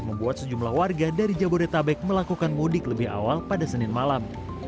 membuat sejumlah warga dari jabodetabek melakukan mudik lebih awal pada senin malam